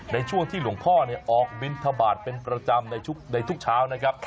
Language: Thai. ในช่วงที่หลวงพ่อออกบินทบาทเป็นประจำในทุกเช้านะครับ